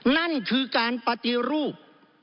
นั่นคือการปฏิรูป